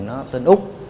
nó tên úc